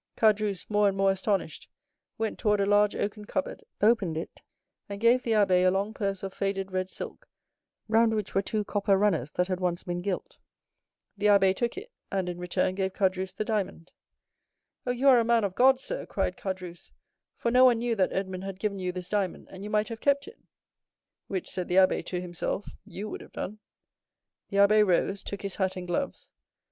Caderousse, more and more astonished, went toward a large oaken cupboard, opened it, and gave the abbé a long purse of faded red silk, round which were two copper runners that had once been gilt. The abbé took it, and in return gave Caderousse the diamond. "Oh, you are a man of God, sir," cried Caderousse; "for no one knew that Edmond had given you this diamond, and you might have kept it." "Which," said the abbé to himself, "you would have done." The abbé rose, took his hat and gloves.